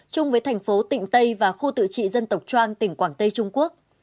chung với thành phố tịnh tây và khu tự trị dân tộc trang tỉnh quảng tây trung quốc